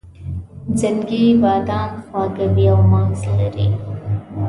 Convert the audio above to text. زنګي بادام خواږه وي او مغز لري.